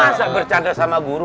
masa bercanda sama guru